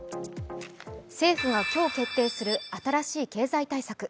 政府が今日決定する新しい経済対策。